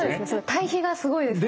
対比がすごいですね。